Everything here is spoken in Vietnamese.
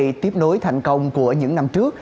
để tiếp nối thành công của những năm trước